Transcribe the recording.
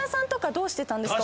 どうしてたんですか？